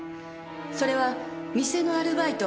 それは店のアルバイト